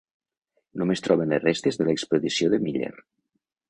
Només troben les restes de l'expedició de Miller.